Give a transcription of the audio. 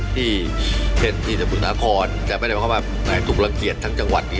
ที่เห็นที่จะปุ่นอาคอนจะไม่ได้เข้ามาถูกรังเกียจทั้งจังหวัดนี้